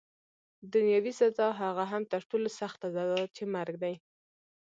دنیاوي سزا، هغه هم تر ټولو سخته سزا چي مرګ دی.